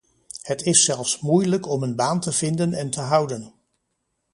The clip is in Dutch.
Het is zelfs moeilijk om een baan te vinden en te houden.